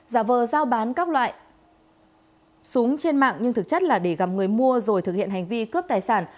giả vờ giao bán các loại súng trên mạng nhưng thực chất là để gặp người mua rồi thực hiện hành vi cướp tài sản